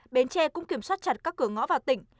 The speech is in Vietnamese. bến tre cũng kiểm soát chặt các cửa ngõ vào tỉnh